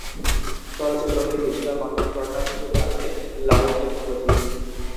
চলচ্চিত্রটির digital content partner হিসেবে আছে লাইভ টেকনোলজিস।